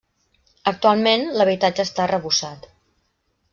Actualment, l'habitatge està arrebossat.